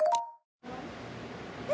・え？